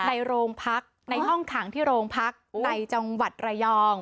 ในโรงพักในห้องขังที่โรงพักในจังหวัดระยอง